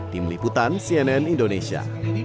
tim liputan cnn indonesia